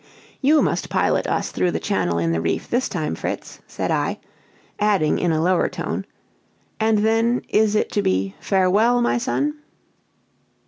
"You must pilot us through the channel in the reef this time, Fritz," said I; adding, in a lower tone, "and then is it to be 'farewell,' my son!"